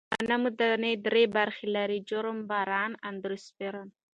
غنمو دانې درې برخې لري: جرم، بران، اندوسپرم.